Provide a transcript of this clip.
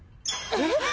えっ！？